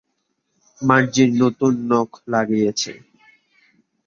মার্জি নতুন নখ লাগিয়েছে।